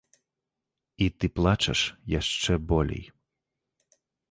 І ты плачаш яшчэ болей.